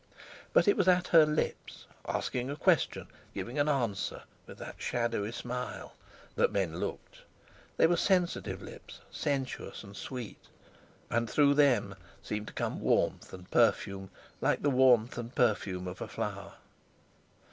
But it was at her lips—asking a question, giving an answer, with that shadowy smile—that men looked; they were sensitive lips, sensuous and sweet, and through them seemed to come warmth and perfume like the warmth and perfume of a flower.